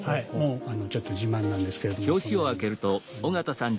ちょっと自慢なんですけれどもこのように。